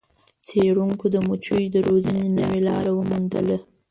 څیړونکو د مچیو د روزنې نوې لاره وموندله.